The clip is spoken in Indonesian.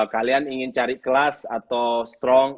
kalian ingin cari kelas atau strong